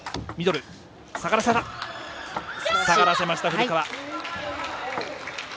下がらせました、古川。